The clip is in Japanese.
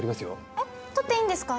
えっ撮っていいんですか？